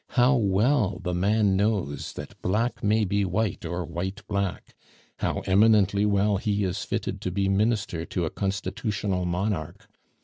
How well the man knows that black may be white, or white black! How eminently well he is fitted to be Minister to a constitutional monarch!